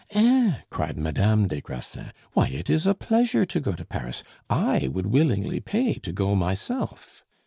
"Eh!" cried Madame des Grassins, "why it is a pleasure to go to Paris. I would willingly pay to go myself."